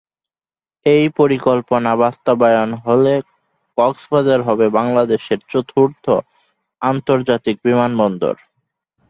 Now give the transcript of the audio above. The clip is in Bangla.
এই পরিকল্পনা বাস্তবায়ন হলে কক্সবাজার হবে বাংলাদেশের চতুর্থ আন্তর্জাতিক বিমানবন্দর।